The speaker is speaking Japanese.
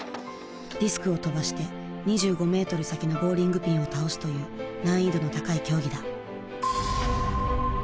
ディスクを飛ばして２５メートル先のボウリングピンを倒すという難易度の高い競技だ。